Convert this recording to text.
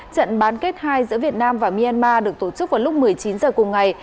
trận bán kết hai giữa việt nam và myanmar được tổ chức vào lúc một mươi chín h cùng ngày